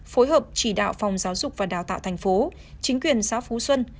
phối hợp chỉ đạo phòng giáo dục và đào tạo tp chính quyền xá phú xuân